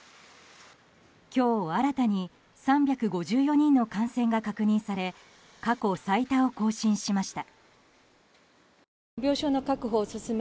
今日、新たに３５４人の感染が確認され過去最多を更新しました。